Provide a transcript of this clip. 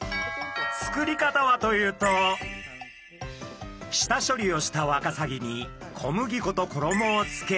作り方はというと下処理をしたワカサギに小麦粉と衣をつけ